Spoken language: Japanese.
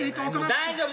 大丈夫。